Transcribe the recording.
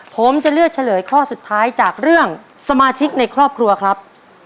ผมจะเลือกเฉลยข้อสุดท้ายจากเรื่องสมาชิกในครอบครัวครับ